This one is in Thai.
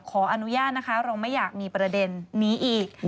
ขออนุญาตนะคะเราไม่อยากมีประเด็นนี้อีก